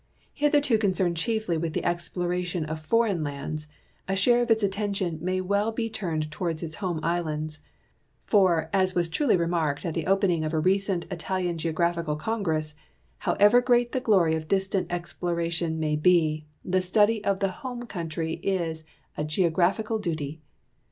Hitherto concerned chiefly with the exploration of foreign lands, a share of its attention 7nay well be turned towards its home islands ; for, as was truly remarked at the opening of a recent Italian Geographical Congress, however great the glory of dis tant exploration may be, the study of the home country is a geographical duty.